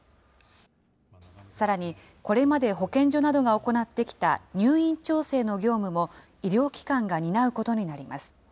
さらに、これまで保健所などが行ってきた入院調整の業務も、医療機関が担うことになります。